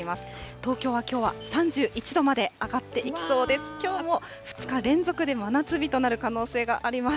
東京はきょうは３１度まで上がっていきそうです。